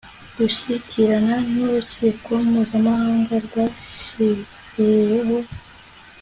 gushyikirana n'urukiko mpuzamahanga rwashyiriweho